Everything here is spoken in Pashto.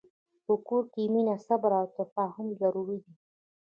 په کور کې مینه، صبر، او تفاهم ضرور دي.